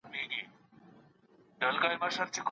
پوښتنه وکړئ چي حل لاره چېرته ده.